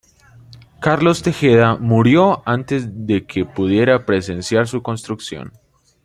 Carlos Tejeda murió antes de que pudiera presenciar su construcción.